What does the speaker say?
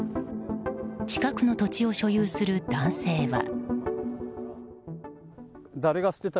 近くの土地を所有する男性は。